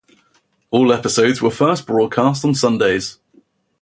All episodes were first broadcast on Sundays.